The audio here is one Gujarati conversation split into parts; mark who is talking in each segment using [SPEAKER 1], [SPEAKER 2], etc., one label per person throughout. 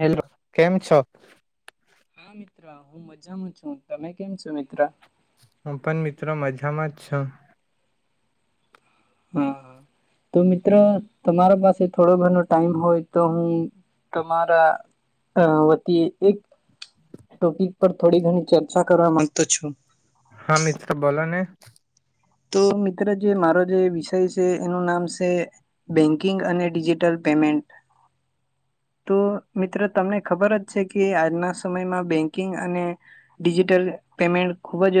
[SPEAKER 1] હેલો કેમ છો.
[SPEAKER 2] હા મિત્ર હું મજામાં છું તમે કેમ છો મિત્ર
[SPEAKER 1] હું પણ મિત્રો મજામાં જ છું.
[SPEAKER 2] હા તો મિત્રો તમારા પાસે થોડો ઘરનોો ટાઈમ હોય તો હું તમારા વતી એક ટોપિક પર થોડી ઘણી ચર્ચા કરવા માંગતો છો.
[SPEAKER 1] હા મિત્ર બોલો ને
[SPEAKER 2] તો મિત્ર જે મારો જે વિષય છે એનું નામ છે. બેન્કિંગ અને ડિજિટલ પેમેન્ટ તો મિત્ર તમને ખબર જ છે કે આજના સમયમાં બેંકિંગ અને ડિજિટલ પેમેન્ટ ખુબ જ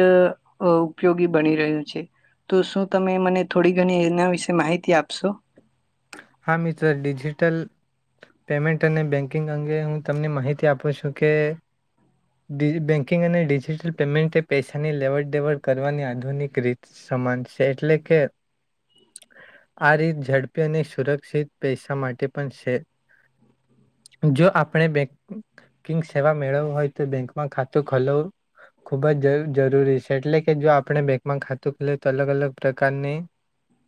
[SPEAKER 2] ઉપયોગી બની રહ્યું છે. તો શું તમે મને થોડી ઘણી એના વિશે માહિતી આપશો.
[SPEAKER 1] હા મિત્ર ડિજિટલ પેમેન્ટ અને બેન્કિંગ અંગે હું તમને માહિતી આપું શકે. ડ બેન્કિંગ અને ડિજિટલ પેમેન્ટે પૈસાની લેવડ દેવડ કરવાની આધુનિક રીત. સમાન છે એટલે કે આ રીત ઝડપી અને સુરક્ષિત પૈસા માટે પણ છે જો આપણે બે કિંક સેવા મેળવવી હોય તો બેંકમાં ખાતું ખોલવું ખૂબ જ જરૂરી છે એટલે કે જો આપણે બેંકમાં ખાતું ખ લ તો અલગ અલગ પ્રકારની
[SPEAKER 2] [inaudible]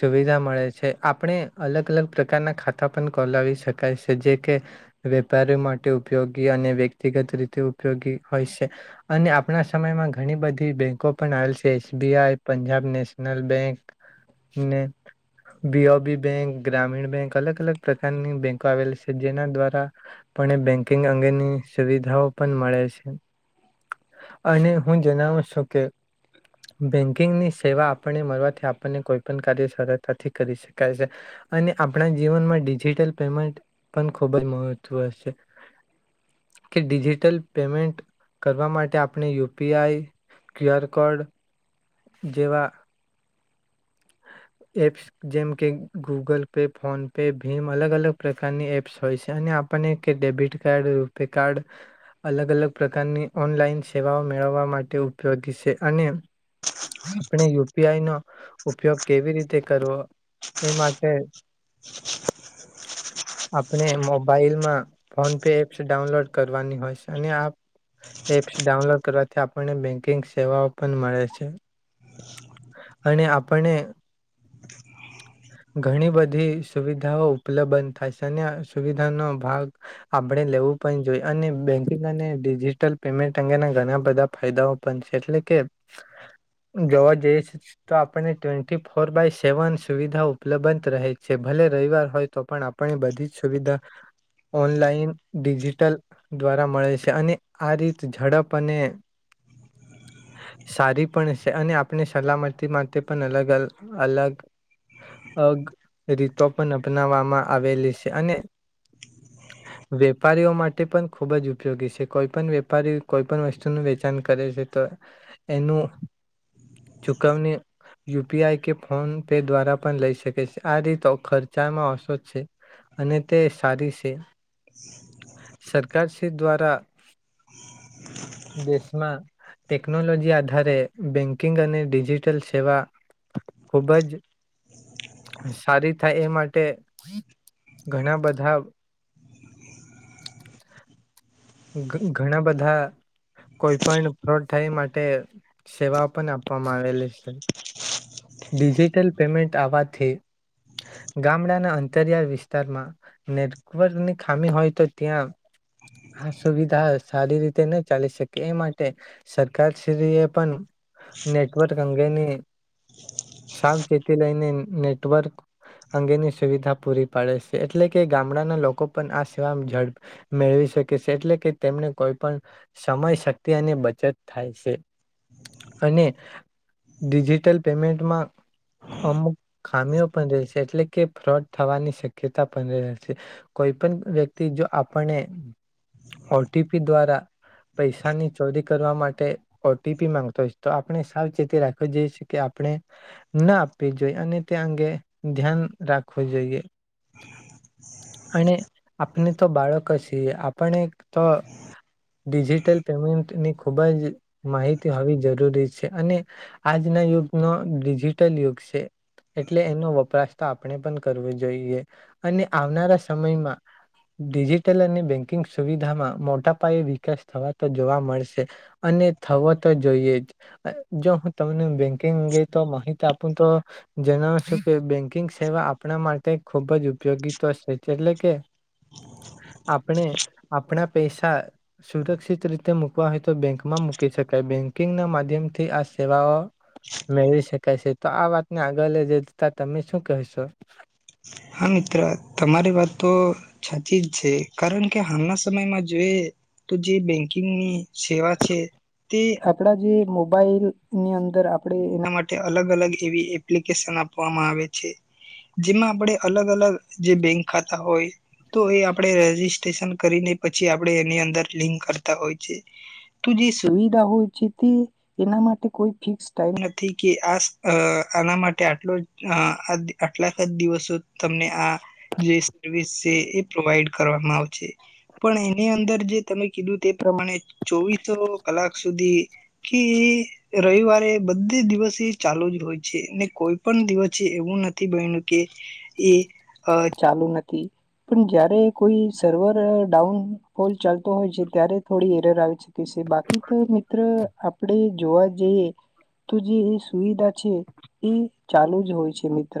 [SPEAKER 1] સુવિધા મળે છે આપણે અલગ અલગ પ્રકારના ખાતા પણ કોલાવી શકાય છે જે કે વેપારી માટે ઉપયોગી અને વ્યક્તિગત રીતે ઉપયોગી હોય છે. અને આપણા સમયમાં ઘણી બધી બેંકો પણ આવેલ છે એસબીઆઈ પંજાબ નેશનલ બેંક ને બીયો બી. બેંક ગ્રામીણ બેંક અલગ અલગ પ્રકારની બેંકો આવેલી છે જેના દ્વારા પણ એ બેન્કિંગ અંગેની સુવિધાઓ પણ મળે છે. અને હું જણાવું છું કે બેન્કિંગની સેવા આપણને મળવાથી આપણને કોઈ પણ કાર્ય સરતાથી કરી શકાય છે. અને આપણા જીવનમાં ડિજિટલ પેમેન્ટ પણ ખૂબ જ મહત્વ છે. કે ડિજિટલ પેમેન્ટ કરવા માટે આપણે U P I QR code જેવા
[SPEAKER 2] [inaudible]
[SPEAKER 1] એપ જેમ કે ગૂગલ પે ફોન પે ભીમ અલગ અલગ પ્રકારની એપ્સ હોય છે અને આપ આપણને કે ડેબિટ કાર્ડ રૂપે કાર્ડ અલગ અલગ પ્રકારની ઓનલાઈન સેવાઓ મેળવવા માટે ઉપયોગી છે અને આપણે યુ પી આઈ નો ઉપયોગ કેવી રીતે કરવો એ માટે
[SPEAKER 2] [inaudible]
[SPEAKER 1] આપણે મોબાઈલમાં ફોન પે એપ્સ ડાઉનલોડ કરવાની હોય છે અને આપ એપ્સ ડાઉનલોડ કરવાથી આપણને બેન્કિંગ સેવાઓ પણ મળે છે અને આપને
[SPEAKER 2] [inaudible]
[SPEAKER 1] ઘણી બધી સુવિધાઓ ઉપલબ્ધ થાય છે અને સુવિધાનો ભાગ આપણે લેવું પણ જોઈએ અને બેંકિંગ અને ડિજીિટલ પેમેન્ટ અંગેના ઘણા બધા ફાયદાઓ પણ છે એટલે કે જોવા જઈ છે. તો આપણને ટ્વેન્ટી ફોર બાય સેવન સુવિધા ઉપલબ્ધ રહે છે ભલે રવિવાર હોય તો પણ આપ પણ એ બધી જ સુવિધા ઓનલાઈન ડિજિટલ દ્વારા મળે છે અને આ રીત ઝડપ અને સારી પણ છે અને આપણે સલામતી માટે પણ અલગ અલ અલગ અગ રીતો પણ અપનાવવામાં આવેલી છે. અને
[SPEAKER 2] [inaudible]
[SPEAKER 1] વેપારીઓ માટે પણ ખુબ જ ઉપયોગી છે કોઈ પણ વેપારી કોઈ પણ વસ્તુનું વેચાણ કરે છે તો એનું ચુકવણી યુપીઆઈ કે ફોન પે દ્વારા પણ લઈ શકે છે. આ રીતો ખર્ચામાં અસોધ છે. અને તે સારી છે સરકાર તે દ્વારા દેશમાં ટેકનોલોજી આ આધારે બેન્કિંગ અને ડિજિટલ સેવા ખૂબ જ સારી થાય એ માટે ઘણા બધા ઘણા બધા કોઈ પણ [unintelligible] થાઈ માટે સેવાઓ પણ આપવામાં આવેલી છે. છે ડિજિટલ પેમેન્ટ આવવાથી ગામડાના અંતરિયાળ વિસ્તારમાં નેટવર્કની ખામી હોય તો ત્યાં આ સુવિધા સારી રીતે ને ચાલી શકે એ માટે સરકારશ્રી એ પણ નેટવર્ક અંગેની સાવચેતી લઈને નેટવર્ક અંગેની સુવિધા પૂરી પાડે છે એટલે કે ગામડાના લોકો પણ આ સેવા ઝડપ મેળવી શકે. એટલે કે તેમને કોઈ પણ સમય શક્તિ અને બચત થાય છે. અને ડિજિટલ પેમેન્ટમાં અમુક ખામીઓ પણ રહે છે એટલે કે ફ્રોડ થવાની શક્યતા પણ રહે છે. કોઈ પણ વ્યક્તિ જો આપને ઓ ટી પી દ્વારા પૈસાની ચોરી કરવા માટે ઓ ટી પી માંગતોય છે તો આપણે સાવચેતી રાખવો જોઈએ છે કે આપણે ના આપવી જોઈએ અને તે અંગે ધ્યાન રાખવું જોઈએ. ને આપને તો બાળકશ આપણે એક તો ડિજિટલ પેમેન્ટની ખૂબ જ માહિતી હોવી જરૂરી છે અને આજનો યુગ ડિજિટલ યુગ છે. એટલે એનો વપરાશ તો આપણે પણ કરવો જોઈએ, અને આવનારા સમયમાં. ડિજિટલ અને બેંકિંગ સુવિધામાં મોટા પાયે વિકાસ થવા તો જોવા મળશે. અને થવો તો જોઈએ જ, જો હું તમને બેંક. અંગે તો માહિતી આપું તો, જણાવશું કે, બેંકિંગ સેવા આપણા માટે. ખૂબ જ ઉપયોગી તો છે, એટલે કે આપણે આપણા પૈસા. સુરક્ષિત રીતે મૂકવા હોય તો, બેંકમાં મૂકી શકાય. બેંકિંગના માધ્યમથી આ સેવાઓ. મેળવી શકાય છે, તો આ વાતને આગળ લ જ જતા, તમે શું કહેશો?
[SPEAKER 2] હા! મિત્ર તમારી વાત તો. સાાચી જ છે. કારણ કે હાલના સમયમાં જોએ. તો જે બેંકિંગની સેવા છે. તે આપડા જે મોબાઈલની અંદર આપણેે એના માટે અલગ અલગ એવી એ. એપ્લિકેશન આપવામાં આવે છે. જેમાં આપણે અલગ અલગ જે બેંક ખાતા હોય. તો એ આપણે રજીિસ્ટ્રેશન કરીને, પછી આપણે એની અંદર લિંક કરતા હોય છે. તુંજી સુવિધા હોય છે ત. એના માટે કોઈ ફિક્સ ટાઈમ નથી, કે આ આના માટે આટલો. કેટલાક જ દિવસો તમને આ જે સર્વિસ છે, એ પ્રોવાઈડ કરવામાં આવશે. પણ એની અંદર જે તમે કીધું તે, પ્રમાણે ચોવીસો. કલાક સુધી કી. રવિવારે બધી દિવસે ચાલુ જ હોય છે ને, કોઈ પણ દિવસે એવું નથી. બનું કે, એ ચાલુ નથી. પણ જયારે કોઈ સર્વર ડાઉન ફોલ ચાલતો હોય છે, ત્યારે થોડી એરર આવે છે. બાકી તો મિત્ર, આપણે જોવા જઈએ. તો જે એ સુવિધા છે, એ ચાલુ જ હોય છે, મિત્ર.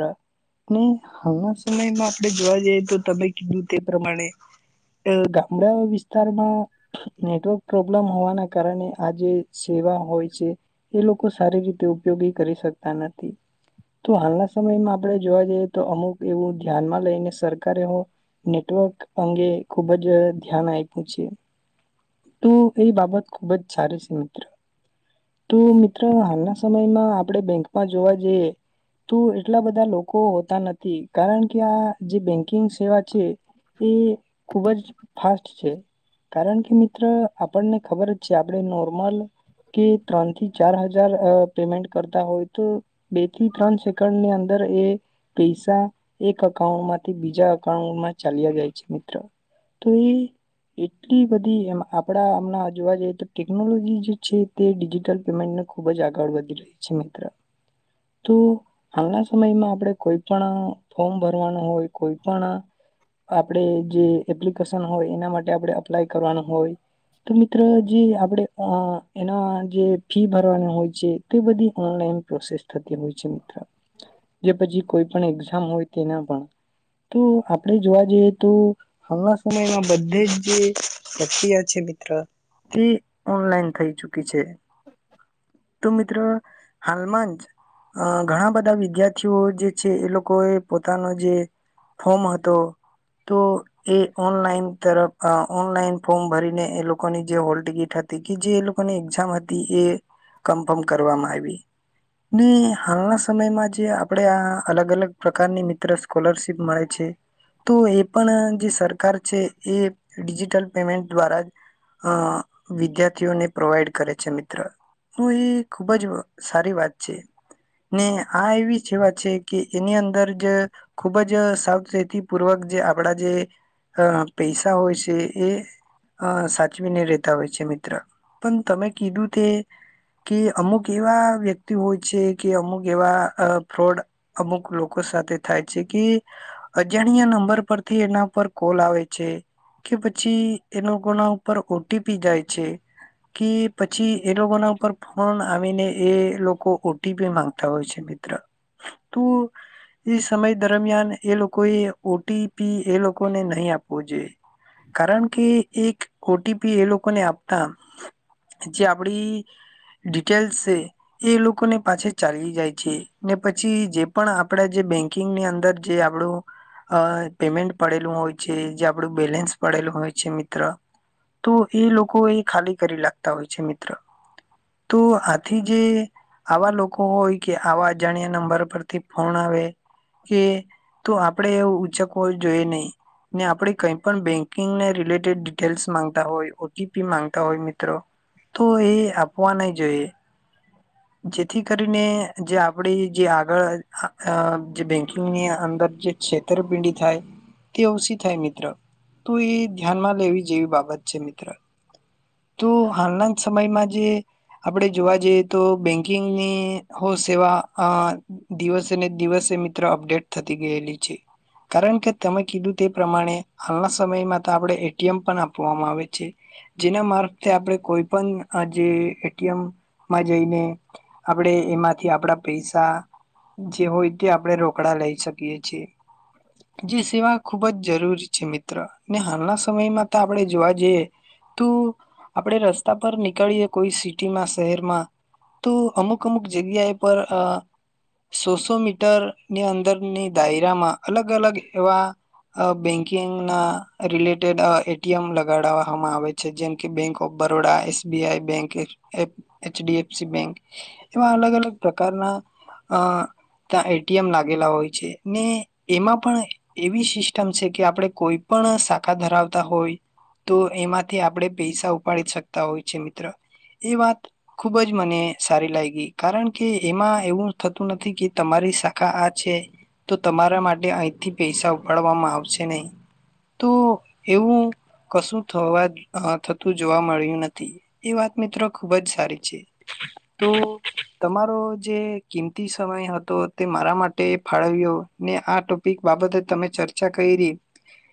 [SPEAKER 2] હમણાં સમયમાં આપણે જોવા જઈએ તો, તમે કીધું તે પ્રમાણે. ગામડા વિસ્તારમાં. નેટવર્ક પ્રોબ્લેમ હોવાના કારણે આ જે સેવા હોય છે. એ લોકો સારી રીતે ઉપયોગી કરી શકતા નથી, તો હાલના સમયમાં આપણે જોવા જઈએ તો, અમુક એવું ધ્યાનમાં લઈને સરકારે. નેટવર્ક અંગે ખુબ જ ધ્યાન આપ્યું છે. તું એ બાબત ખુબ જ સારી છે, મિત્ર. તો મિત્ર, હાલના સમયમાં આપણે બેંકમાં જોવા જઈએ તો. એટલા બધા લોકો હોતા નથી, કારણ કે આ જે બેંકિંગ સેવા છે. એ ખુબ જ ફાસ્ટ છે. કારણ કે મિત્ર, આપણને ખબર જ છે, આપણે નોર્મલ કે ત્રણ થી ચાર હજાર પેમેન્ટ કરતા હોય તો, બે થી ત્રણ સેકન્ડની અંદર. અંદર એ પૈસા એક અકાઉન્ટમાંથી, બીજા અકાઉન્ટમાં. ચાલિયા જાય છે, મિત્ર તો એ. એટલી બધી એમ આપણા હમણા જોવા જઈએ તો, ટેકનોલોજી જે છે. તે ડિજિટલ પેમેન્ટને ખુબ જ આગળ વધી રહી છે, મિત્ર, તો હાલના સમયમાં આપણે કોઈ પણ ફોર્મ ભરવાનું હોય, કોઈ પણ આપડે જે એપ્લિકેશન હોય, એના માટે આપણે અપ્લાય કરવાનું હોય. તો મિત્રો, જે આપડે એના જે ફી ભરવાના હોય છે. બધી ઓનલાઈન પ્રોસેસ થતી હોય છે, મિત્ર.
[SPEAKER 1] [unintelligible]
[SPEAKER 2] જે પછી કોઈ પણ એક્ઝામ હોય, તેના પણ તો આપણેે જોવા જઈએ તો. હાલના સમયમાં બધે જ જે પ્રક્રિયા છે, મિત્ર. થી ઓનલાઈન થઈ ચુકી છે. તો મિત્રો હાલમાં જ ઘણા બધા વ વિદ્યાર્થીઓ જે છે એ લોકો એ પોતાનો જે ફોર્મ હતો તો એ ઓનલાઈન તરફ ઓનલાઈન ફોર્મ ભરીને એ લોકોની જે હોલ ટિકિટ હતી તે જે એ લોકોની એક્ઝામ હતી એ કન્ફર્મ કરવામાં આવી. ને હાલના સમયમાં જ આપણેે આ અલગ અલગ પ્રકારની મિત્ર સ્કોલરશીપ મળે છે. તો એ પણ જે સરકાર છે એ ડિજિટલ પેમેન્ટ દ્વારા જ અ વિદ્યાર્થીઓને પ્રોવાઈડ કરે છે મિત્ર તો એ ખુબ જ સારી વાત છે ને આ એવી સેવા છે કે એની અંદર જ ખુબ જ સાવચેતી પૂર્વક જે આપણા જે અ પૈસા હોય છે એ અ સાચવીને રેતા હોય છે મિત્ર પણ તમે કીધું તે કે અમુક એવા વ્યક્તિ હોય છે કે અમુક એવા અ ફ્રોડ અમુક લોકો સાથે થાય છે કે અજાણ્યા નંબર પરથી એના પર કોલ આવે છે. કે પછી એ લોકોના ઉપર ઓટીપી જાય છે. કે પછી એ લોકોના ઉપર ફોન આવીને એ લોકો ઓટીપી માંગતા હોય છે તુ એ સમય દરમિયાન એ લોકો એ ઓટીપી એ લોકોને નહી આપવો જોઈએ. કારણ કે એક ઓટીપી એ લોકોને આપતા જે આપડી ડિટેલ્સ છે એ લોકોને પાછ ચાલી જાય છે ને પછી જે પણ આપડા જે બેંકિંગની અંદર જે આપણું અ પેમેન્ટ પડેલું હોય છે જે આપડું બેલેન્સ પડેલું હોય છે મિત્ર તો એ લોકો એ ખાલી કરી લખતા હોય છે મિત્ર તો આથી જે આવા લોકો હોય કે આવા જાણ્યા નંબર પરથી ફોન આવે કે તો આપડે એવું ઉંચક હોવ જોઈએ નહી ને આપણેે કઈ પણ બેંકિંગને રિલેટેડ ડિટેલ્સ માંગતા હોય ઓટીપી માંગતા હોય મિત્રો તો એ આપવા ન જોઈએ જેથી કરીને જે આપડી જે આગળ જે બેંકિંગની અંદર જે છેતરપિંડી થાય તે ઓવષી થાય મિત્ર તો એ ધ્યાનમાં લેવી જેવી બાબત છે મિત્ર તો હાલના સમયમાં જે આપડણે જોવા જઈએ તો બેંકિંગની હો સેવા અ દિવસેને દિવસે મિત્ર અપડેટ થતી ગયેલી છે કારણ કે તમે કીધું તે પ્રમાણે હાલના સમયમાં તો આપણે એટીએમ પણ આપવામાં આવે છે જેના મારફતે આપણે કોઈ પણ જે એટીએમમાં જઈને આપણેે એમાંથી આપણા પૈસા જે હોય તે આપણે રોકડા લઈ શકીએ છીએ જે સેવા ખુબ જ જરૂરી છે મિત્ર ને હાલના સમયમાં તો આપણે જોવા જઈએ તું આપડે રસ્તા પર નીકળીયએ કોઈ સિટીમાં શહેરમાં તો અમુક અમુક જગ્યાએ પર સોસો મીટરની અંદરની દાયરામાં અલગ અલગ એવા અ બેંકિંગ ના રિલેટેડ એટીએમ લગાડવામાં આવે છે જેમ કે bank of Baroda SBI bank HDFC bank એવા અલગ અલગ પ્રકારના અ ત્યાં એટીએમ લાગેલા હોય છે ને એમાં પણ એવી સિસ્ટમ છે કે આપણે કોઈ પણ શાખા ધરાવતા હોય તો એમાંથી આપણે પૈસા ઉપાડી શકતા હોય છે મિત્ર એ વાત ખુબ જ મને સારી લાગી કારણ કે એમાં એવું થતું નથી કે તમારી શાખા આ છે તો તમારા માટે અહીંથી પૈસા ઉપાડવામાં આવશે નહીં તો એવું કશું થવા અ થતું જોવા મળ્યું નથી એ વાત મિત્રો ખુબ જ સારી છે તો તમારો જે કિંમતી સમય હતો તે મારા માટે ફાળવ્યો ને આ ક બાબતે તમે ચર્ચા કરી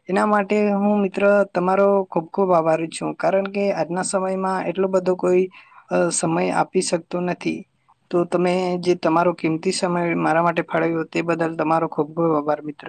[SPEAKER 2] એના માટે હું મિત્ર તમારો ખુબ ખુબ આભારી છું કારણ કે આજના સમયમાં એટલો બધો કોઈ અ સમય આપી શકતો નથી તો તમે જે તમારો કિંમતી સમય મારા માટે ફાળવ્યો તે બદલ તમારો ખૂબ ખૂબ આભાર મિત્ર